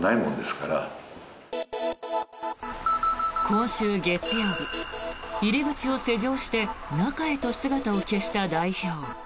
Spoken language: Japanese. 今週月曜日、入り口を施錠して中へと姿を消した代表。